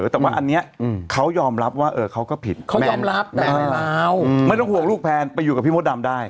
แต่ว่าอันนี้เขายอมรับว่าเออเขาก็ผิดไม่ต้องห่วงลูกแผนไปอยู่กับพี่โมดำได้